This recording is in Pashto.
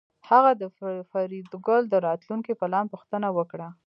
هغه د فریدګل د راتلونکي پلان پوښتنه وکړه